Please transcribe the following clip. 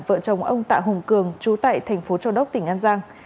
vợ chồng ông tạ hùng cường chú tại thành phố châu đốc tỉnh an giang